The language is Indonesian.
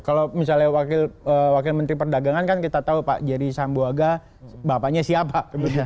kalau misalnya wakil menteri perdagangan kan kita tahu pak jerry sambuaga bapaknya siapa